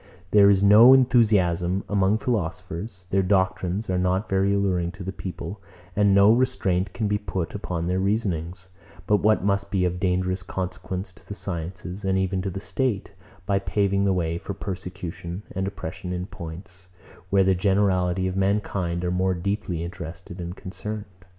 There is no enthusiasm among philosophers; their doctrines are not very alluring to the people; and no restraint can be put upon their reasonings, but what must be of dangerous consequence to the sciences, and even to the state, by paving the way for persecution and oppression in points, where the generality of mankind are more deeply interested and concerned.